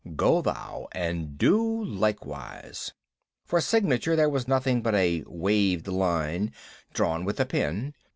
Go thou and do likewise. For signature there was nothing but a waved line, drawn with a pen.